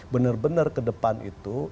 benar benar ke depan itu